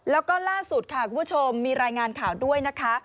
แล้วก็ล่าสุดค่ะคุณผู้ชมมีรายงานข่าวด้วยนะคะ